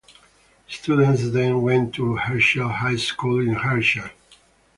Students then went to Herscher High School in Herscher.